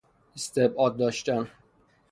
استبعاد داشتن